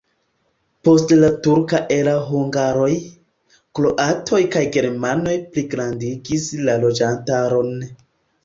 Post la turka erao hungaroj, kroatoj kaj germanoj pligrandigis la loĝantaron.